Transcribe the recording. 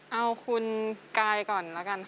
เอาคุณกายก่อนแล้วกันค่ะ